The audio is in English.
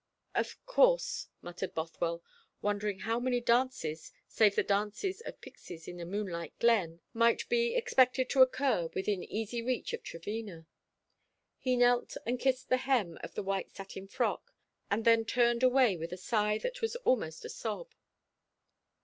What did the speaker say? "Of course," muttered Bothwell, wondering how many dances save the dances of pixies in a moonlit glen might be expected to occur within easy reach of Trevena. He knelt and kissed the hem of the white satin frock, and then turned away with a sigh that was almost a sob.